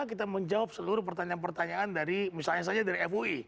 kita menjawab seluruh pertanyaan pertanyaan dari misalnya saja dari fui